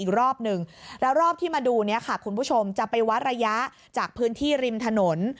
อีกรอบหนึ่งแล้วรอบที่มาดูเนี่ยค่ะคุณผู้ชมจะไปวัดระยะจากพื้นที่ริมถนน